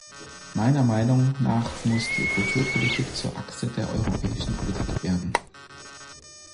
Meiner Meinung nach muss die Kulturpolitik zur Achse der europäischen Politik werden.